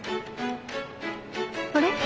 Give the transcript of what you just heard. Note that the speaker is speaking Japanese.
あれ？